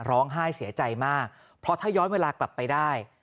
ร้องไห้เสียใจมากเพราะถ้าย้อนเวลากลับไปได้